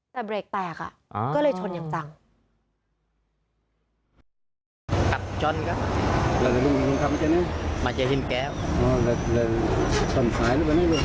แต่เบรกแตกก็เลยชนอย่างจัง